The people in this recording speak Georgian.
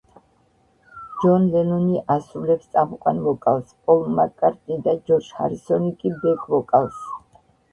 ჯონ ლენონი ასრულებს წამყვან ვოკალს, პოლ მაკ-კარტნი და ჯორჯ ჰარისონი კი ბეკ-ვოკალს.